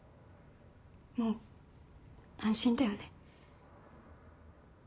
もう安心だよね。